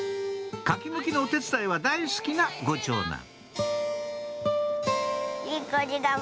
カキむきのお手伝いは大好きなご長男